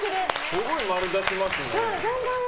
すごい○出しますね。